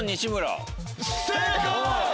正解！